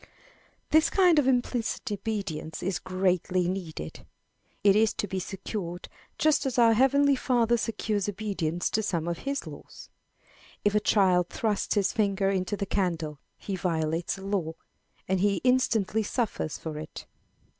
This kind of implicit obedience is greatly needed. It is to be secured just as our heavenly Father secures obedience to some of his laws. If a child thrusts his finger into the candle, he violates a law, and he instantly suffers for it.